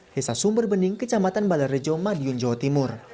hisa sumber bening kecamatan balai rejo madiun jawa timur